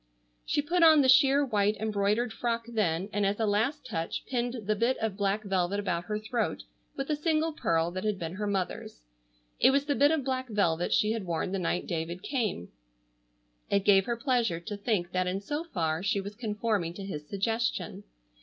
She put on the sheer white embroidered frock then, and as a last touch pinned the bit of black velvet about her throat with a single pearl that had been her mother's. It was the bit of black velvet she had worn the night David came. It gave her pleasure to think that in so far she was conforming to his suggestion.